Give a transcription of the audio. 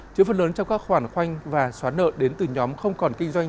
chứa phần lớn trong các khoản khoanh và xóa nợ đến từ nhóm không còn kinh doanh